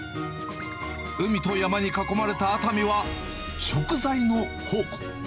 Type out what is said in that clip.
海と山に囲まれた熱海は食材の宝庫。